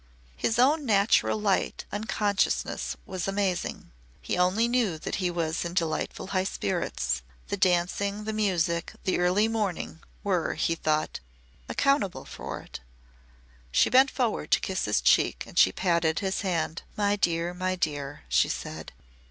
His own natural light unconsciousness was amazing. He only knew that he was in delightful high spirits. The dancing, the music, the early morning were, he thought, accountable for it. She bent forward to kiss his cheek and she patted his hand. "My dear! My dear!" she said.